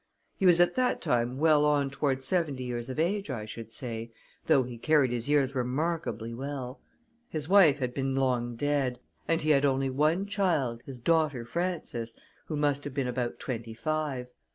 He was at that time well on toward seventy years of age, I should say, though he carried his years remarkably well; his wife had been long dead, and he had only one child, his daughter, Frances, who must have been about twenty five.